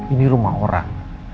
ini rumah orang